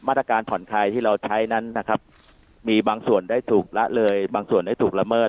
มาตรการผ่อนคลายที่เราใช้นั้นนะครับมีบางส่วนได้ถูกละเลยบางส่วนได้ถูกละเมิด